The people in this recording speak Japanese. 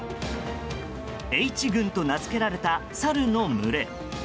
Ｈ群と名付けられたサルの群れ。